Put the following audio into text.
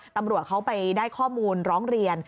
ตำรวจเขาไปได้ข้อมูลร้องเรียน